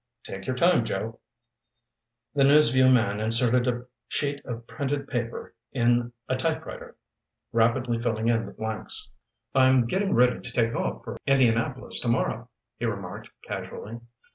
"Take your time, Joe." The News Vue man inserted a sheet of printed paper in a typewriter, rapidly filling in the blanks. "I'm getting ready to take off for Indianapolis tomorrow," he remarked casually.